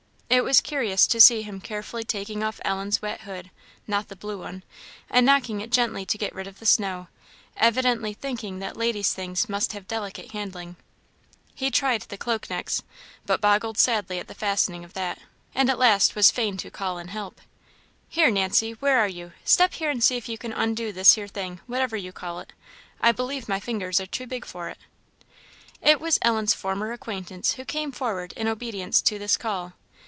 It was curious to see him carefully taking off Ellen's wet hood (not the blue one) and knocking it gently to get ride of the snow; evidently thinking that ladies' things must have delicate handling. He tried the cloak next, but boggled sadly at the fastening of that, and at last was fain to call in help. "Here, Nancy! where are you? step here and see if you can undo this here thing, whatever you call it; I believe my fingers are too big for it." It was Ellen's former acquaintance who came forward in obedience to this call.